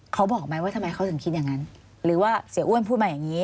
เขาบอกไหมว่าทำไมเขาถึงคิดอย่างนั้นหรือว่าเสียอ้วนพูดมาอย่างนี้